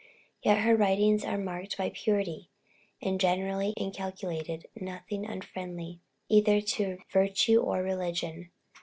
Yet her writings are marked by purity, and generally inculcated nothing unfriendly either to virtue or religion.